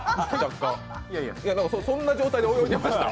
そんな状態で泳いでました？